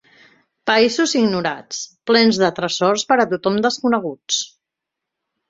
Països ignorats, plens de tresors per a tothom desconeguts.